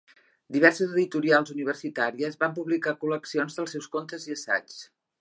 Diverses editorials universitàries van publicar col·leccions dels seus contes i assaigs.